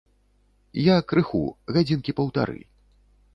Я крыху, гадзінкі паўтары.